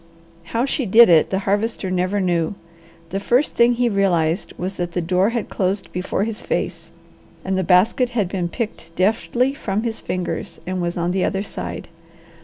How she did it the Harvester never knew. The first thing he realized was that the door had closed before his face, and the basket had been picked deftly from his fingers and was on the other side.